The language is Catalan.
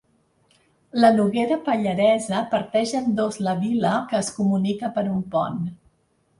La Noguera Pallaresa parteix en dos la vila, que es comunica per un pont.